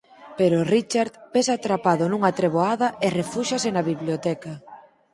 Pero Richard vese atrapado nunha treboada e refúxiase na biblioteca.